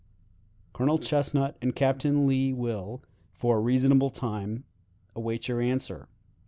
"Colonel Chesnut and Captain Lee will, for a reasonable time, await your answer.